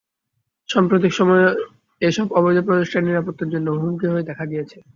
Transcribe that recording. সম্প্রতিক সময়ে এসব অবৈধ প্রতিষ্ঠান নিরাপত্তার জন্যও হুমকি হয়ে দেখা দিয়েছে।